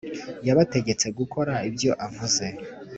yabategetse gukora ibyo avuze